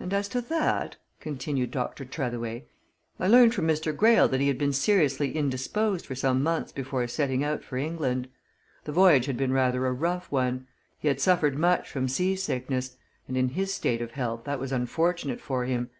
"And as to that," continued Dr. Tretheway, "I learnt from Mr. Greyle that he had been seriously indisposed for some months before setting out for England. The voyage had been rather a rough one; he had suffered much from sea sickness, and, in his state of health, that was unfortunate for him.